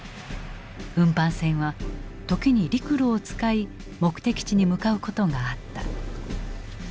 運搬船は時に陸路を使い目的地に向かうことがあった。